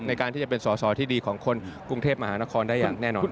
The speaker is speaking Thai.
ในการที่จะเป็นสอสอที่ดีของคนกรุงเทพมหานครได้อย่างแน่นอน